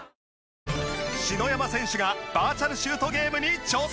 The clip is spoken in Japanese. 篠山選手がバーチャル・シュートゲームに挑戦！